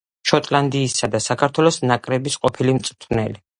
შოტლანდიისა და საქართველოს ნაკრების ყოფილი მწვრთნელი.